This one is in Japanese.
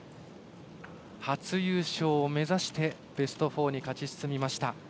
初優勝を目指してベスト４に勝ち進みました。